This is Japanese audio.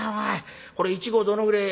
これ１合どのぐれえ？